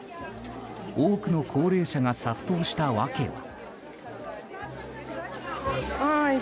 多くの高齢者が殺到した訳は。